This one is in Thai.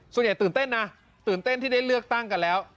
ตื่นเต้นนะตื่นเต้นที่ได้เลือกตั้งกันแล้ว